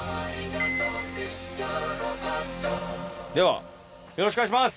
では、よろしくお願いします！